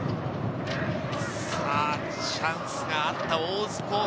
チャンスがあった大津高校。